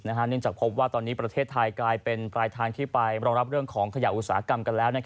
เนื่องจากพบว่าตอนนี้ประเทศไทยกลายเป็นปลายทางที่ไปรองรับเรื่องของขยะอุตสาหกรรมกันแล้ว